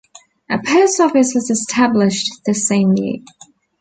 A post office was established the same year.